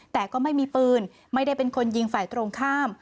แต่ก็ไม่มีปืนไม่ได้เป็นคนยิงฝ่ายตรงข้าม